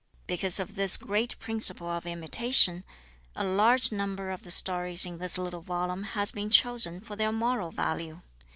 Because of this great principle of imitation, a large number of the stories in this little volume have been chosen for their moral value.